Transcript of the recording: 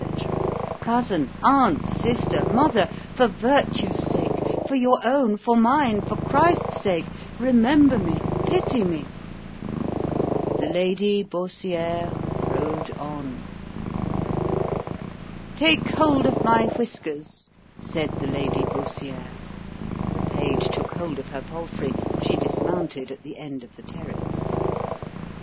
——Cousin, aunt, sister, mother,——for virtue's sake, for your own, for mine, for Christ's sake, remember me——pity me. ——The Lady Baussiere rode on. Take hold of my whiskers, said the Lady Baussiere—The page took hold of her palfrey. She dismounted at the end of the terrace.